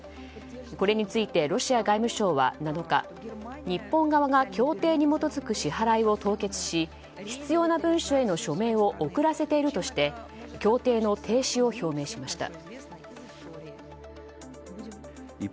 これについてロシア外務省は７日日本側が協定に基づく支払いを凍結し必要な文書への署名を遅らせているとして協定の停止を表明しました。